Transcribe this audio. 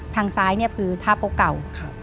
ทางซ้ายเนี่ยคือท่าโป๊ะเก่า